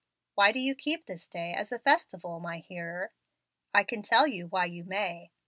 Why do you keep this day as a festival, my hearer? I can tell you why you may.